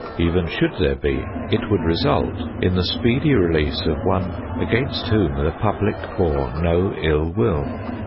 Even should there be, it would result in the speedy release of one against whom the public bore no ill will.